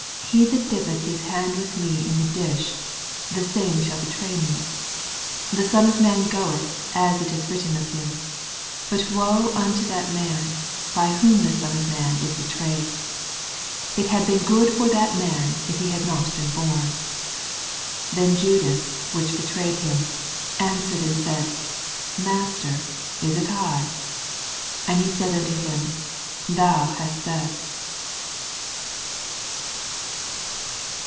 He that dippeth hi* hand with me in the dish, the same shall betray me. 24 The Son of man goeth as it ia written of him : but wo unto that man by whom the Son of man is be trayed 1 it had been good for that man if he had not been bom. 25 Then Judas, which betrayed him. answered and said. Master, is it If He said unto him, Thou hast said.